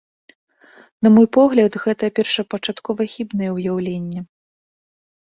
На мой погляд, гэта першапачаткова хібнае ўяўленне.